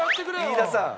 飯田さん！